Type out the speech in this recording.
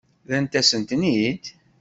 Rrant-asen-ten-id?